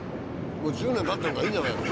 もう１０年たってるからいいんじゃないの？